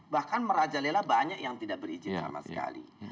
bahkan merajalela banyak yang tidak berizin sama sekali